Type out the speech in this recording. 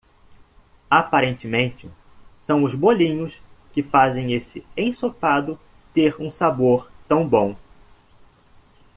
Aparentemente,? são os bolinhos que fazem esse ensopado ter um sabor tão bom.